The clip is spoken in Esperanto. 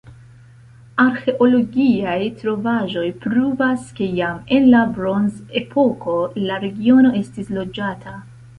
Arĥeologiaj trovaĵoj pruvas, ke jam en la bronzepoko la regiono estis loĝata.